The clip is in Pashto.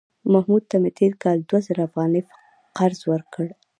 محمود ته مې تېر کال دوه زره افغانۍ قرض ورکړ